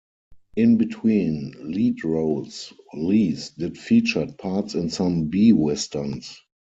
In between lead roles, Lease did featured parts in some B westerns.